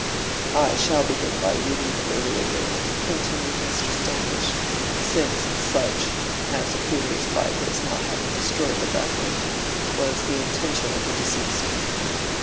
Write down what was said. "I shall begin by reading the earlier will," continued Mr. Standish, "since such, as appears by his not having destroyed the document, was the intention of deceased."